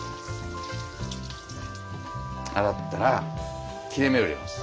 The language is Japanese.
洗ったら切れ目を入れます。